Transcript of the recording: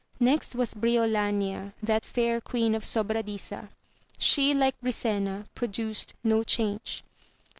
Next was Bnloania, that* fair Queen of Sobradisa : she like Brisena, produced no change.